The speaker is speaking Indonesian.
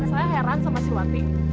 saya heran sama si wati